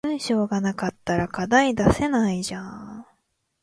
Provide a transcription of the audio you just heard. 文章が無かったら課題出せないじゃん